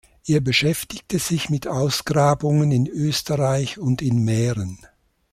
Er beschäftigte sich mit Ausgrabungen in Österreich und in Mähren.